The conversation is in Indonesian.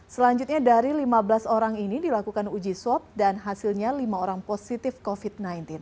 selanjutnya dari lima belas orang ini dilakukan uji swab dan hasilnya lima orang positif covid sembilan belas